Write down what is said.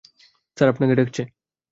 Sir, আপনাকে ডাকছে।